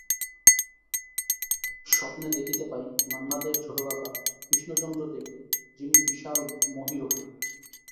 স্বপ্নে দেখতে পাই মান্না দের ছোট কাকা কৃষ্ণচন্দ্র দেকে, যিনি বিশাল মহিরুহ।